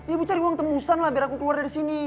ibu cari uang tembusan lah biar aku keluar dari sini